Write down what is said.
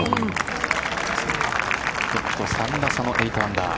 トップと３打差の８アンダー。